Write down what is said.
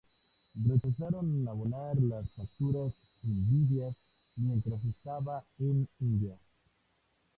Rechazaron abonar las facturas enviadas mientras estaba en India.